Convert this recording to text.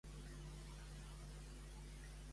On va cursar els seus estudis Carpenter?